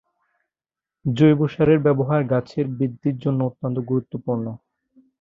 জৈব সারের ব্যবহার গাছের বৃদ্ধির জন্য অত্যন্ত গুরুত্বপূর্ণ।